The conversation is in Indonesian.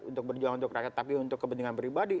untuk berjuang untuk rakyat tapi untuk kepentingan pribadi